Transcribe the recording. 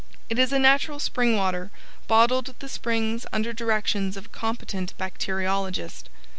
It is a natural spring water, bottled at the springs under directions of a competent bacteriologist.